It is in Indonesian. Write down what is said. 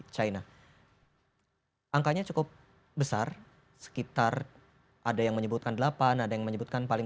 china angkanya cukup besar sekitar ada yang menyebutkan delapan ada yang menyebutkan paling